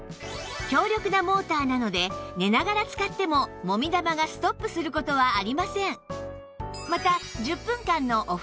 強力なモーターなので寝ながら使ってももみ玉がストップする事はありません